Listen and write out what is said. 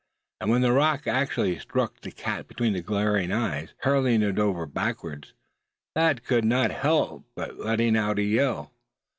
And when the rock actually struck the cat between its glaring eyes, hurling it over backwards, Thad could not help letting out a yell.